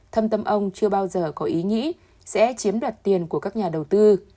thâm tâm ông chưa bao giờ có ý nghĩ sẽ chiếm đoạt tiền của các nhà đầu tư